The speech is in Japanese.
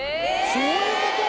そういうこと？